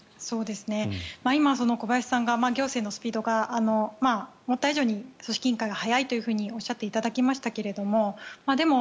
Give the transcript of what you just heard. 今、小林さんが行政のスピードが思った以上に組織委員会が速いとおっしゃっていただきましたけどでも、